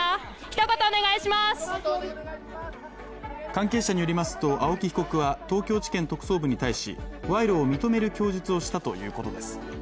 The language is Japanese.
関係者によりますと、青木被告は東京地検特捜部に対し、賄賂を認める供述をしたということです。